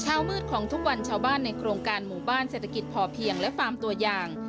เช้ามืดของทุกวันชาวบ้านในโครงการหมู่บ้านเศรษฐกิจพอเพียงและฟาร์มตัวอย่าง